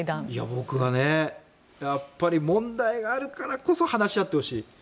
僕はやっぱり問題があるからこそ話し合ってほしい。